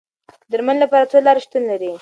د درملنې لپاره څو لارې شتون لري.